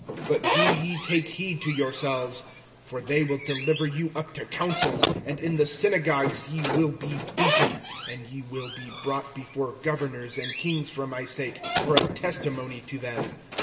(9)But do ye take heed to yourselves; for they will deliver you up to councils, and in the synagogues ye will be beaten; and ye will be brought before governors and kings for my sake for a testimony to them.